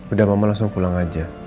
udah mama langsung pulang aja